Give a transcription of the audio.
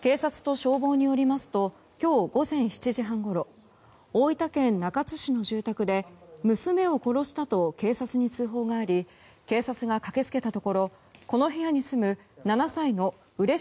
警察と消防によりますと今日午前７時半ごろ大分県中津市の住宅で娘を殺したと警察に通報があり警察が駆け付けたところこの部屋に住む、７歳の嬉野